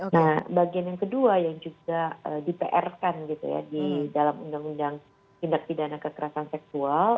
nah bagian yang kedua yang juga di pr kan gitu ya di dalam undang undang tindak pidana kekerasan seksual